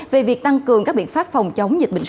về việc tăng cường các biện pháp phòng chống dịch bệnh số